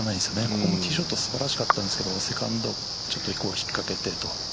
ここのティーショットも素晴らしかったんですけどセカンド、ちょっと引っかけてと。